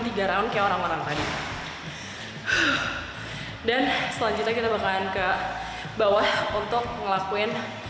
tiga round kayak orang orang tadi dan selanjutnya kita bakalan ke bawah untuk ngelakuin program yang lain dan selanjutnya kita bakalan ke bawah untuk ngelakuin program yang lain dan selanjutnya kita bakalan ke bawah untuk ngelakuin